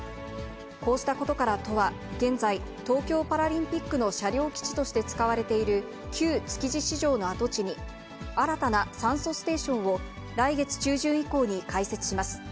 こうしたことから都は現在、東京パラリンピックの車両基地として使われている旧築地市場の跡地に、新たな酸素ステーションを来月中旬以降に開設します。